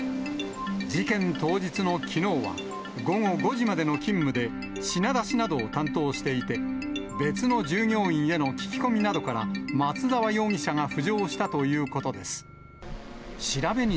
事件当日のきのうは、午後５時までの勤務で、品出しなどを担当していて、別の従業員への聞き込みなどから、松沢容疑者が浮上したということです。